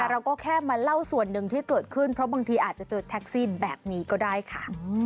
เราก็แค่มาเล่าส่วนหนึ่งที่เกิดขึ้นเพราะบางทีอาจจะเจอแท็กซี่แบบนี้ก็ได้ค่ะ